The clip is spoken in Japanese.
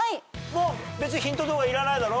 もうヒント動画いらないだろ？